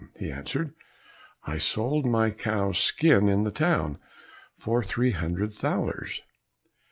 He answered, "I sold my cow's skin in the town, for three hundred thalers."